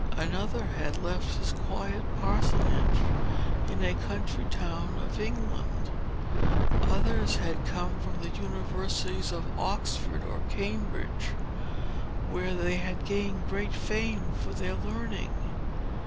Another had left his quiet parsonage, in a country town of England. Others had come from the universities of Oxford or Cambridge, where they had gained great fame for their learning.